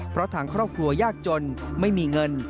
เพราะทางครอบครัวยากจนไม่มีเงิน